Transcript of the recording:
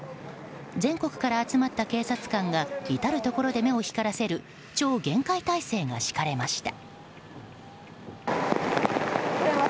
全国から集まった警察官が至るところで目を光らせる超厳戒態勢が敷かれました。